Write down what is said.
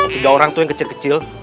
tiga orang itu yang kecil kecil